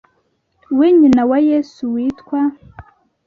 we nyina wa yesu witwa